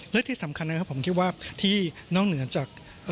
และที่สำคัญนะครับผมคิดว่าที่นอกเหนือจาก